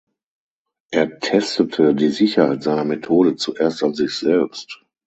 Er testete die Sicherheit seiner Methode zuerst an sich selbst.